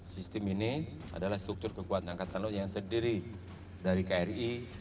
sistem ini adalah struktur kekuatan angkatan laut yang terdiri dari kri